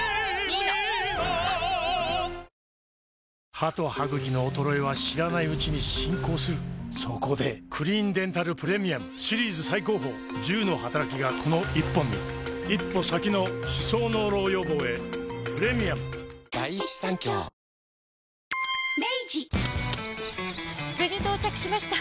歯と歯ぐきの衰えは知らないうちに進行するそこで「クリーンデンタルプレミアム」シリーズ最高峰１０のはたらきがこの１本に一歩先の歯槽膿漏予防へプレミアム無事到着しました！